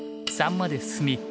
３まで進み